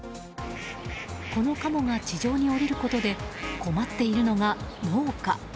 このカモが地上に降りることで困っているのが農家。